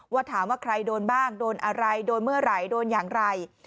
ถามว่าใครโดนบ้างโดนอะไรโดนเมื่อไหร่โดนอย่างไร